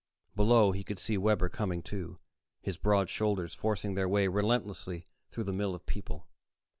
Below, he could see Webber coming too, his broad shoulders forcing their way relentlessly through the mill of people.